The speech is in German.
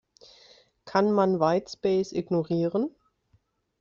Kann man Whitespace ignorieren?